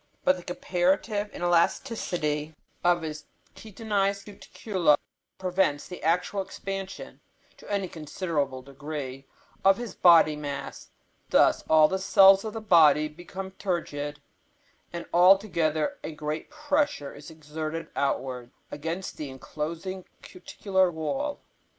But the comparative inelasticity of his chitinized cuticula prevents the actual expansion, to any considerable degree, of his body mass. Thus all the cells of the body become turgid, and altogether a great pressure is exerted outwards against the enclosing cuticular wall.